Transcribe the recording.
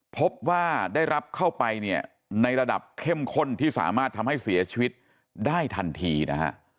พบว่าได้รับเข้าไปเนี่ยในระดับเข้มข้นที่สามารถทำให้เสียชีวิตได้ทันทีนะฮะ